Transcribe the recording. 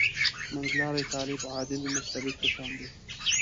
منځلاری طالب «عادل مستبد» په شان دی.